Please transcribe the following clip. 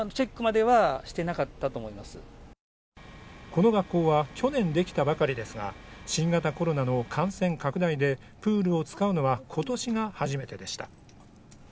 この学校は去年できたばかりですが、新型コロナの感染拡大でプールを使うのは今年が初めてでした。